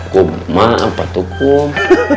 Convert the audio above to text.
kum maaf pak tukum